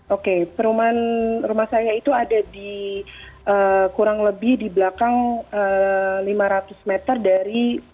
oke perumahan rumah saya itu ada di kurang lebih di belakang lima ratus meter dari